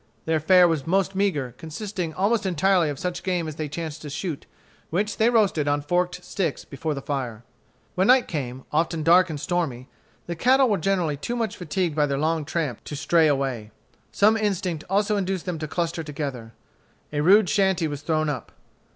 Their fare was most meagre, consisting almost entirely of such game as they chanced to shoot, which they roasted on forked sticks before the fire. When night came, often dark and stormy, the cattle were generally too much fatigued by their long tramp to stray away. Some instinct also induced them to cluster together. A rude shanty was thrown up.